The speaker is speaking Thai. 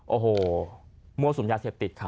โอ้โหมั่วสุมยาเสพติดครับ